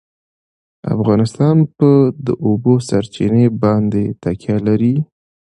افغانستان په د اوبو سرچینې باندې تکیه لري.